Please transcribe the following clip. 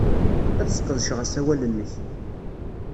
Ad sqedceɣ asawal-nnek.